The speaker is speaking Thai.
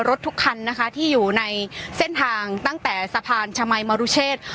ทุกคันนะคะที่อยู่ในเส้นทางตั้งแต่สะพานชมัยมรุเชษ